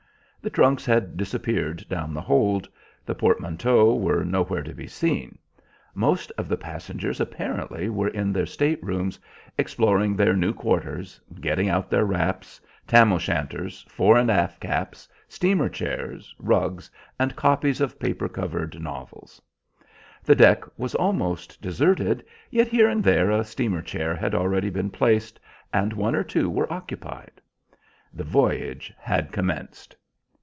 The trunks had disappeared down the hold; the portmanteaux were nowhere to be seen. Most of the passengers apparently were in their state rooms exploring their new quarters, getting out their wraps, Tam o Shanters, fore and aft caps, steamer chairs, rugs, and copies of paper covered novels. The deck was almost deserted, yet here and there a steamer chair had already been placed, and one or two were occupied. The voyage had commenced.